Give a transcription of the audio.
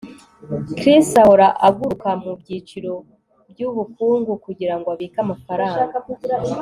Chris ahora aguruka mubyiciro byubukungu kugirango abike amafaranga